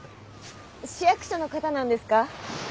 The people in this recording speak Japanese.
市役所の方なんですか？